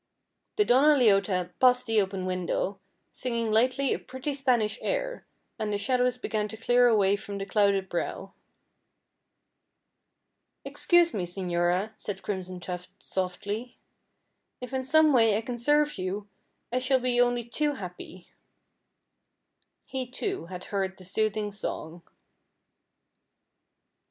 The Donna Leota passed the open window, singing lightly a pretty Spanish air, and the shadows began to clear away from the clouded brow. "Excuse me, señora," said Crimson Tuft, softly. "If in some way I can serve you, I shall be only too happy." He, too, had heard the soothing song.